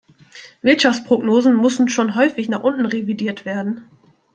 Wirtschaftsprognosen mussten schon häufig nach unten revidiert werden.